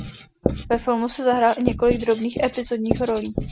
Ve filmu si zahrál i několik drobných epizodních rolí.